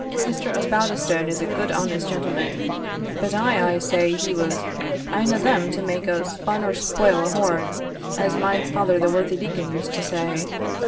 Mr. Osbaldistone is a gude honest gentleman; but I aye said he was ane o' them wad make a spune or spoil a horn, as my father the worthy deacon used to say.